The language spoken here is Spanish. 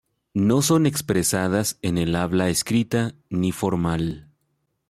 No son expresadas en el habla escrita ni formal.